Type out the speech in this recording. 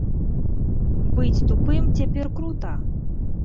Быць тупым цяпер крута!